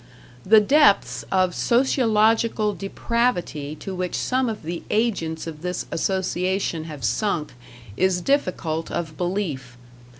The depths of sociological depravity to which some of the agents of this Association have sunk is difficult of belief.